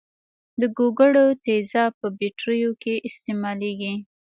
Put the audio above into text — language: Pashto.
د ګوګړو تیزاب په بټریو کې استعمالیږي.